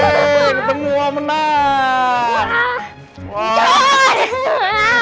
yeay ketemu om menang